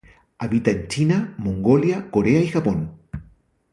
Habita en China, Mongolia, Corea y Japón.